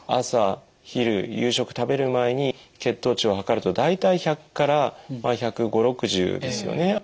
朝昼夕食食べる前に血糖値を測ると大体１００から１５０１６０ですよね。